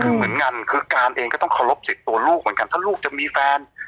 คือเหมือนกันคือการเองก็ต้องเคารพสิทธิ์ตัวลูกเหมือนกันถ้าลูกจะมีแฟน